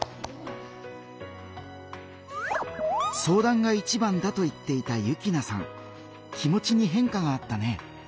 相談がいちばんだと言っていた幸那さん気持ちに変化があったね。